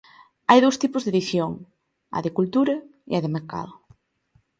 Hai dous tipos de edición: a de cultura e a de mercado.